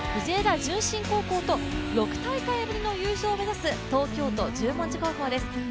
順心高校と６大会ぶりの優勝を目指す東京都・十文字高校です。